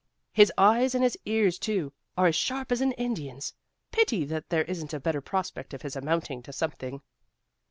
His eyes and his ears too, are as sharp as an Indian's! Pity that there isn't a better prospect of his amounting to something."